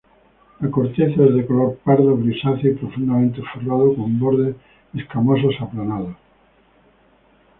La corteza es de color pardo grisáceo y profundamente forrado con bordes escamosos aplanados.